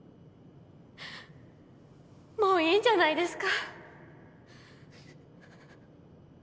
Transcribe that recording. もういいんじゃないですか？